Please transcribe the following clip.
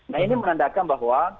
nah ini menandakan bahwa